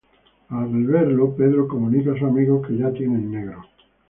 Al verlo, Peter comunica a sus amigos que ya tienen negro.